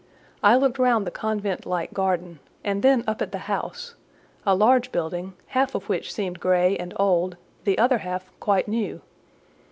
I looked round the convent like garden, and then up at the house—a large building, half of which seemed grey and old, the other half quite new.